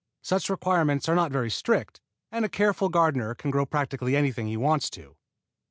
Such requirements are not very strict, and a careful gardener can grow practically anything he wants to.